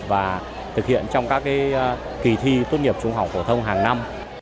và thực hiện trong các kỳ thi tốt nghiệp trung học phổ thông hàng năm